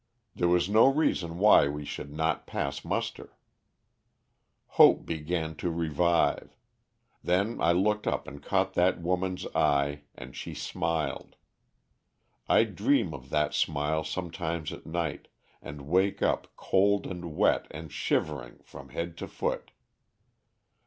There was no reason why we should not pass muster. "Hope began to revive. Then I looked up and caught that woman's eye and she smiled. I dream of that smile sometimes at night, and wake up cold and wet and shivering from head to foot.